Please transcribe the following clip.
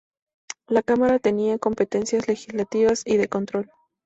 La cámara tenía competencias legislativas y de control.